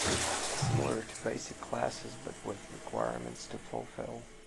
Similar to basic classes but with requirements to fulfill.